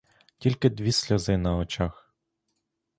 Тільки дві сльози на очах.